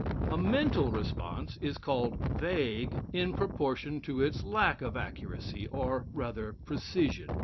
A mental response is called "vague" in proportion to its lack of accuracy, or rather precision.